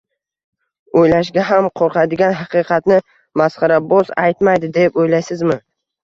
o’ylashga ham qo’rqadigan haqiqatni masxaraboz aytmaydi, deb o’ylaysizmi?